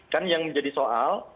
kan yang menjadi soal